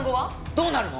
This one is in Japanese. どうなるの？